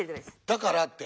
だからって。